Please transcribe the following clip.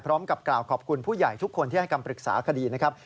พร้อมกับกล่าวขอบคุณผู้ใหญ่ทุกคนที่ให้คำปรึกษาคดีนะครับ